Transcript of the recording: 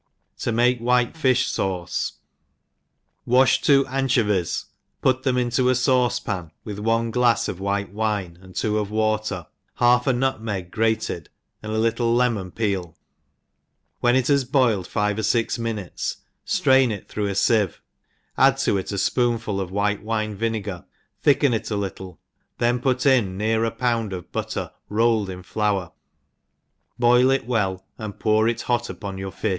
To make White Fish Sauce. ■ WASH two anchovies, put them into a fauce pan, with one glafs of white wine, and two of Ivater, half a nutmeg grated, and a little lemon peel ; when it has boiled five or fix minutes, flrain it through a fieve, add to it a fpoonful of white wine vinegar, thicken it a little, then put in near a pound of butter rolled in flour, boil it well, and pour it hot upon your fi(h.